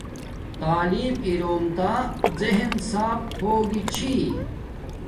تعلیم اروم تا زہین صاف ہوگی چھی